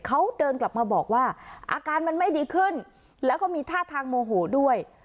เขาเดินกลับมาบอกว่าอาการมันไม่ดีขึ้นแล้วก็มีท่าทางโมโหด้วย